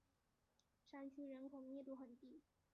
山区人口密度很低。